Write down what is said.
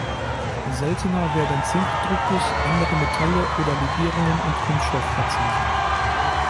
Seltener werden Zinkdruckguss, andere Metalle oder Legierungen und Kunststoff verzinnt.